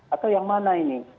atau yang mana ini